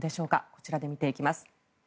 こちらで見ていきます。